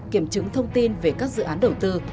kiểm chứng thông tin về các dự án đầu tư